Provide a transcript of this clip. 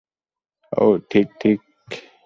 ওহ, ঠিক, ঠিক।